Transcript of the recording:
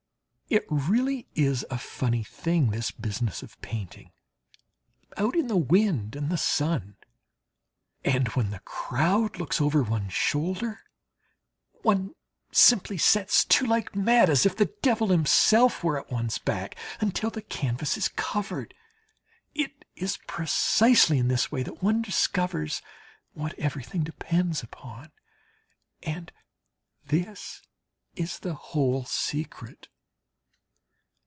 It really is a funny thing, this business of painting, out in the wind and the sun. And when the crowd looks over one's shoulder, one simply sets to like mad, as if the devil himself were at one's back, until the canvas is covered. It is precisely in this way that one discovers what everything depends upon. And this is the whole secret.